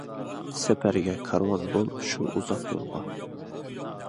سەپەرگە كارۋان بول شۇ ئۇزاق يولغا.